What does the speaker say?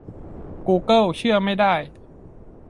กูเกิลเชื่อไม่ได้